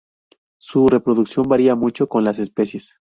Su reproducción varía mucho con las especies.